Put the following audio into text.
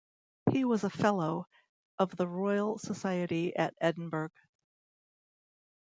He was a Fellow of the Royal Society of Edinburgh.